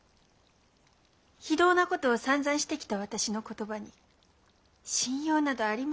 非道なことをさんざんしてきた私の言葉に信用などありますまい。